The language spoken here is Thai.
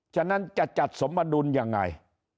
ฉะนั้นจะจัดสมดุลยังไง